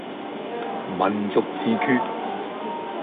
民族自決